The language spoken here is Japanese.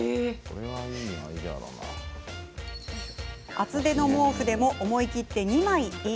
厚手の毛布でも思い切って２枚イン。